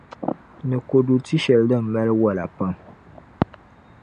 Ni kodu ti’ shεli din mali wola pam.